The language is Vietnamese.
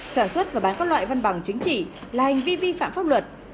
sản xuất và bán các loại văn bằng chứng chỉ là hành vi vi phạm pháp luật